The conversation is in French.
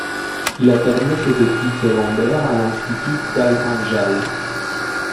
Il a terminé ses études secondaires à l'Institut d'Al Anjal.